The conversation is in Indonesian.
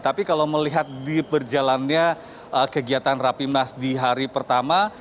tapi kalau melihat di berjalannya kegiatan rapimnas di hari pertama